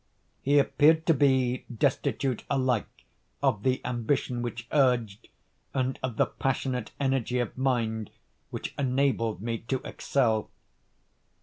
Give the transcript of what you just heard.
He appeared to be destitute alike of the ambition which urged, and of the passionate energy of mind which enabled me to excel.